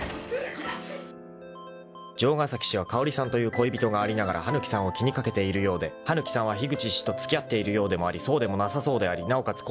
［城ヶ崎氏は香織さんという恋人がありながら羽貫さんを気に掛けているようで羽貫さんは樋口氏と付き合っているようでもありそうでもなさそうでありなおかつ